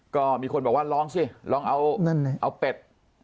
ก็มีคนบอกว่าลองสิลองเอาเป็ด